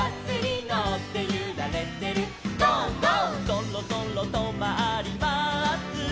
「そろそろとまります」